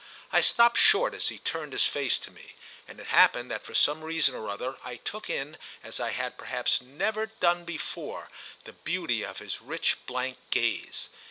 I stopped short as he turned his face to me, and it happened that for some reason or other I took in as I had perhaps never done before the beauty of his rich blank gaze.